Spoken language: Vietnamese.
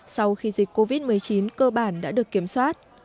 sau khi dịch covid một mươi chín cơ bản đã được kiểm soát